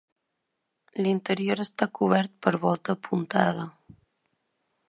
L'interior està cobert per volta apuntada.